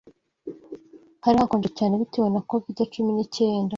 Hari hakonje cyane, bitewe na covid cumi n'icyenda